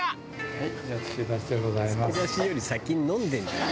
はい。